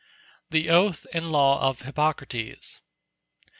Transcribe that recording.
The Oath and Law of Hippocrates.